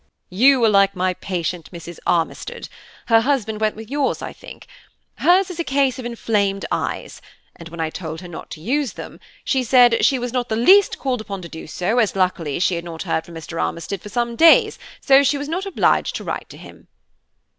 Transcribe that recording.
"You are like my patient, Mrs. Armistead–her husband went with yours, I think–hers is a case of inflamed eyes; and when I told her not to use them, she said 'she was not the least called upon to do so, as luckily she had not heard from Mr. Armistead for some days, so she was not obliged to write to him'."